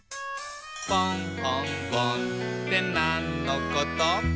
「ぽんほんぼんってなんのこと？」